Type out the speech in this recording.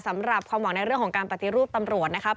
สำหรับความหวังในเรื่องของการปฏิรูปตำรวจนะครับ